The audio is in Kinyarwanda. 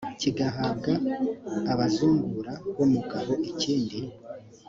kigahabwa abazungura b umugabo ikindi